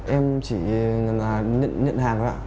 em chỉ là nhận hàng thôi ạ